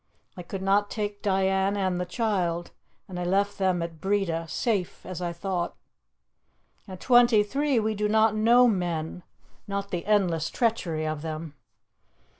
I could not take Diane and the child, and I left them at Breda safe, as I thought. At twenty three we do not know men, not the endless treachery of them.